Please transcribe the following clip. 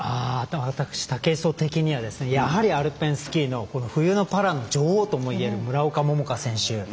私、武井壮的にはやはり、アルペンスキーの冬のパラの女王ともいえる村岡桃佳選手。